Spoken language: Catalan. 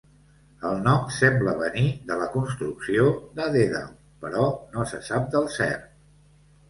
El nom sembla venir de la construcció de Dèdal, però no se sap del cert.